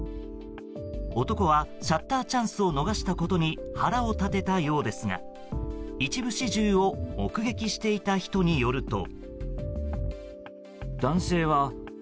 男はシャッターチャンスを逃したことに腹を立てたようですが一部始終を目撃していた人によると。